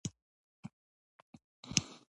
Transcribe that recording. جنابانو پښتانه دومره هم نه دي خوار.